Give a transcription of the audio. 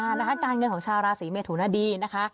นะคะการเงินของชาวราศีเมทุนดีนะคะ